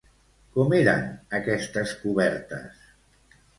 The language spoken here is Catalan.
Com eren aquestes cobertes?